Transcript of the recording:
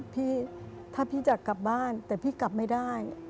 พี่ถ้าพี่จะกลับบ้านแต่พี่กลับไม่ได้